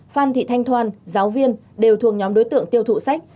phan thị thanh thoan giáo viên đều thuộc nhóm đối tượng tiêu thụ sách